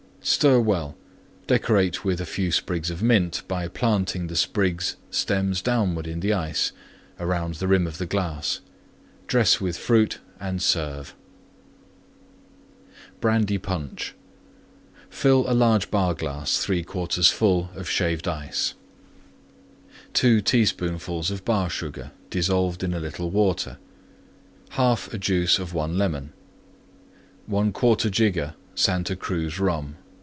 Stir well; decorate with few sprigs of Mint by planting the sprigs stems downward in the Ice around the rim of glass; dress with Fruit and serve. BRANDY PUNCH Fill large Bar glass 3/4 full Shaved Ice. 2 teaspoonfuls Bar Sugar dissolved in little Water. 1/2 Juice of 1 Lemon. 1/4 jigger Santa Cruz Rum.